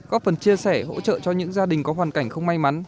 góp phần chia sẻ hỗ trợ cho những gia đình có hoàn cảnh không may mắn